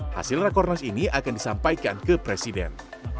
hasil rakornas ini akan disampaikan ke presiden